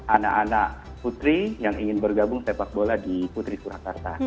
anak anak putri yang ingin bergabung sepak bola di putri surakarta